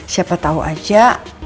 siapa tau aja